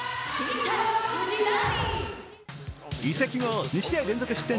移籍後２試合連続失点